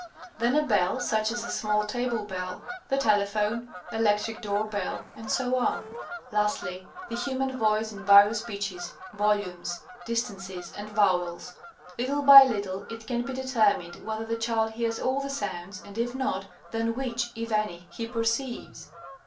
Then a bell, such as a small table bell, the telephone, electric door bell, etc. Lastly, the human voice in various pitches, volumes, distances, and vowels. Little by little it can be determined whether the child hears all the sounds, and if not, then which, if any, he perceives.